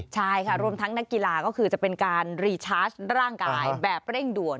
ใช่ค่ะรวมทั้งนักกีฬาก็คือจะเป็นการรีชาร์จร่างกายแบบเร่งด่วน